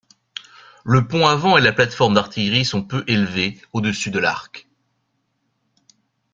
Le pont avant et la plate-forme d'artillerie sont peu élevés au-dessus de l'arc.